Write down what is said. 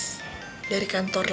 teleponin saya terus